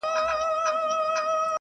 د برښنا تمځایونه باید خوندي وساتل شي.